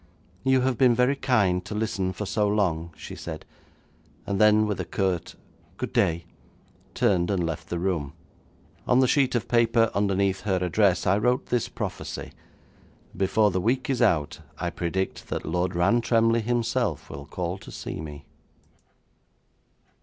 'You have been very kind to listen for so long,' she said, and then, with a curt 'Good day!' turned and left the room. On the sheet of paper underneath her address, I wrote this prophecy: 'Before the week is out, I predict that Lord Rantremly himself will call to see me.'